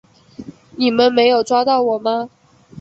你们没有抓到吗？